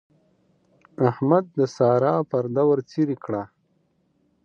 احمد د سارا پرده ورڅېرې کړه.